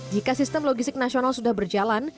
jika sistem logistik nasional sudah berjalan